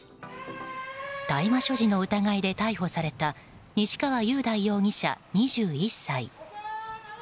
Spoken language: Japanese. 大麻所持の疑いで逮捕された西川雄大容疑者、２１歳。